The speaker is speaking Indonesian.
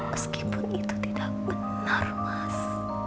meskipun itu tidak benar mas